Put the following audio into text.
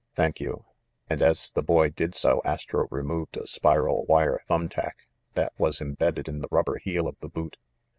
Thank you !" And as the boy did so Astro removed a spiral wire thumb tack that was imbedded in the rubber heel of the boot.